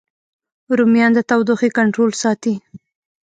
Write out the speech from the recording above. رومیان د تودوخې کنټرول ساتي